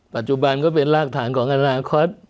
ปัจจุบันก็เป็นรากฐานของอนาคต